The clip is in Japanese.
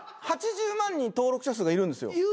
８０万人登録者数がいるんですよ。